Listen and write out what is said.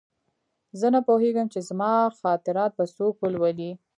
زه نه پوهېږم چې زما خاطرات به څوک ولولي